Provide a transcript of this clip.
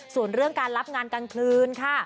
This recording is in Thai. ส่วนเรื่องการรับงานกลางคืนค่ะ